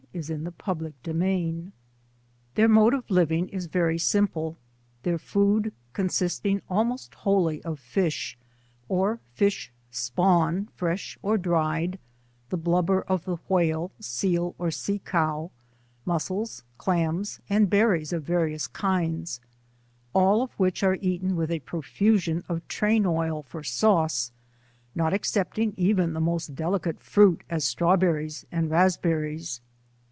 This bonnet is called Seeya poks, Their mode of living is very simple — their food 09 consisting almost wholly of fish, or fish 8pawn fresh or dried, the blubber of the whale, seal, or sea cow, mascles, clams, and berries of various kinds', all of which are eaten with a profusion of train oil for sauce^ not excepting even the most delicate fruit as strawberries and raspberries.